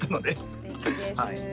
すてきです。